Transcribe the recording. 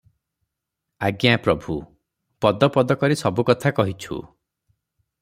"ଆଜ୍ଞା- ପ୍ରଭୁ! ପଦ ପଦ କରି ସବୁ କଥା କହିଛୁ ।"